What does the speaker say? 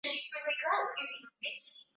Shirika hilo lilipokea msaada wa serikali